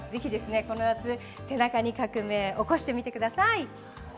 この夏、背中に革命を起こしてみてください。